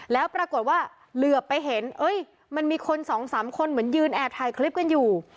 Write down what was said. แล้วปรากฏว่าเหลือไปเห็นมันมีคนสองสามคนเหมือนยืนแอบถ่ายคลิปกันอยู่